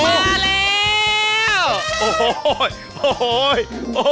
มาแล้ว